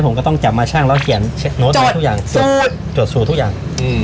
ผมก็ต้องจับมาช่างแล้วเกียรติเช็คโน้ตใหม่จดสูตรจดสูตรทุกอย่างอืม